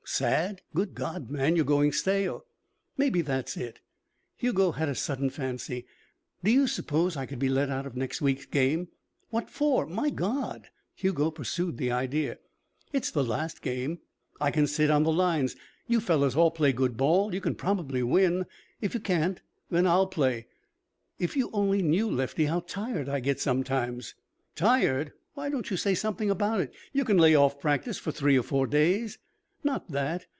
"Sad? Good God, man, you're going stale." "Maybe that's it." Hugo had a sudden fancy. "Do you suppose I could be let out of next week's game?" "What for? My God " Hugo pursued the idea. "It's the last game. I can sit on the lines. You fellows all play good ball. You can probably win. If you can't then I'll play. If you only knew, Lefty, how tired I get sometimes " "Tired! Why don't you say something about it? You can lay off practice for three or four days." "Not that.